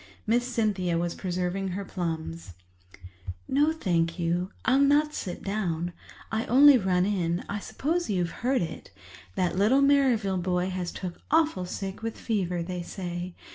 Miss Cynthia was preserving her plums. "No, thank you, I'll not sit down—I only run in—I suppose you've heard it. That little Merrivale boy has took awful sick with fever, they say.